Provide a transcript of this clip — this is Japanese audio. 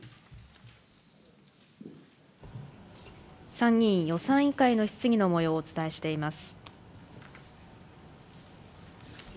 参議院予算委員会質疑のもようをお伝えしております。